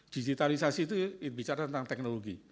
digitalisasi itu bicara tentang teknologi